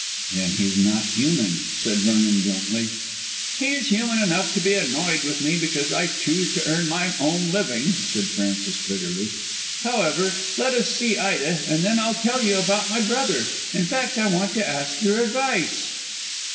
"Then he's not human," said Vernon bluntly. "He's human enough to be annoyed with me because I chose to earn my own living," said Frances bitterly. "However, let us see Ida, and then I'll tell you all about my brother. In fact, I want to ask your advice."